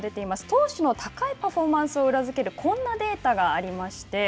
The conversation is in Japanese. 投手の高いパフォーマンスを裏付けるこんなデータがありまして